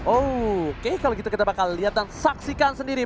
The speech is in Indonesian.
oh oke kalau gitu kita bakal lihat dan saksikan sendiri